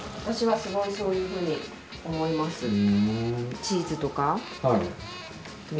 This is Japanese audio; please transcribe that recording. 私はすごいそういうふうに思います。